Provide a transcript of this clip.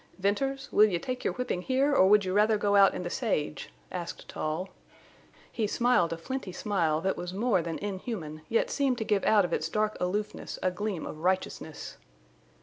"Venters, will you take your whipping here or would you rather go out in the sage?" asked Tull. He smiled a flinty smile that was more than inhuman, yet seemed to give out of its dark aloofness a gleam of righteousness.